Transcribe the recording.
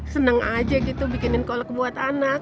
senang aja gitu bikinin kolek buat anak